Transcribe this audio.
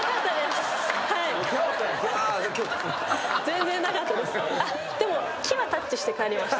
全然なかったです。